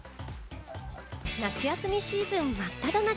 夏休みシーズン真っ只中！